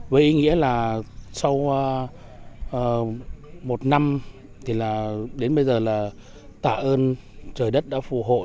với ý nghĩa là sau một năm thì là đến bây giờ là tạ ơn trời đất đã phù hộ